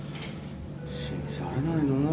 信じられないなぁ。